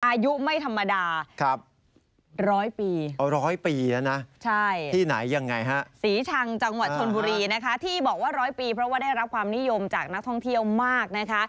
อายุไม่ธรรมดาร้อยปีสีชังจังหวัดชนบุรีนะคะที่บอกว่าร้อยปีเพราะว่าได้รับความนิยมจากนักท่องเที่ยวมากนะคะ